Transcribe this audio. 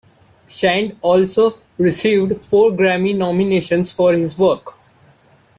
Shand also received four Grammy nominations for his work.